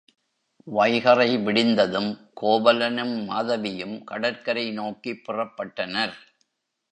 வைகறை விடிந்ததும் கோவலனும் மாதவியும் கடற்கரை நோக்கிப் புறப்பட்டனர்.